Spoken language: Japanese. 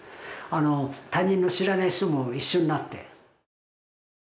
他人の知らない人も一緒になって。